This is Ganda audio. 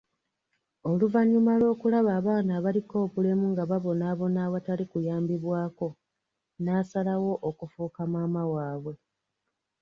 Oluvannyuma lw'okulaba abaana abaliko obulemu nga babonabona awatali kuyambibwako, n'asalawo okufuuka maama waabwe.